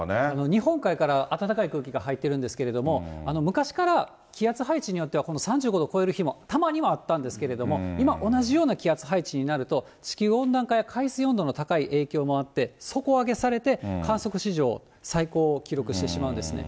日本海から暖かい空気が入ってるんですけれども、昔から気圧配置によっては、この３５度を超える日もたまにはあったんですけれども、今、同じような気圧配置になると、地球温暖化や海水温度の高い影響もあって、底上げされて、観測史上最高を記録してしまうんですね。